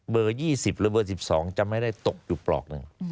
๒๐หรือเบอร์๑๒จะไม่ได้ตกอยู่ปลอกหนึ่ง